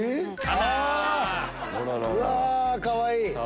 あら！うわかわいい！